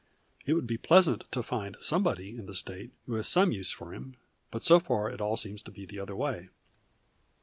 "It would be pleasant to find somebody in the State who has some use for him; but so far it all seems to be the other way."